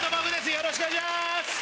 よろしくお願いします！